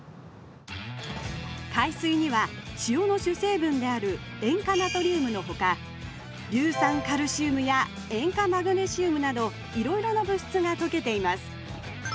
海水には塩の主成分である塩化ナトリウムのほか硫酸カルシウムや塩化マグネシウムなどいろいろな物質が溶けています。